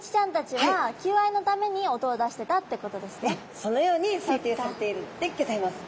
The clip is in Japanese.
そのように推定されているんでギョざいます。